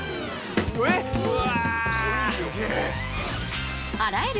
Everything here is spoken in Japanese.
うわ！